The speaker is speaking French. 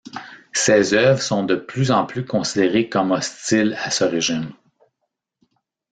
Ses œuvres sont de plus en plus considérées comme hostiles à ce régime.